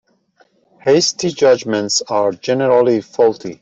Hasty judgements are generally faulty.